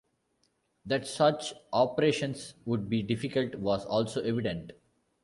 That such operations would be difficult was also evident.